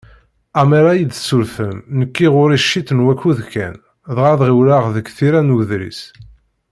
Ammer ad yi-tsurfem, nekki ɣur-i ciṭ n wakud kan, dɣa ad ɣiwleɣ deg tira n uḍris.